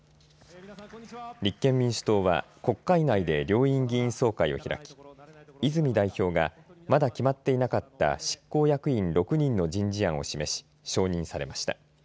立憲民主党は国会内で両院議員総会を開き泉代表がまだ決まっていなかった執行役員６人の人事案を示し承認されました。